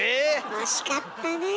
惜しかったねえ。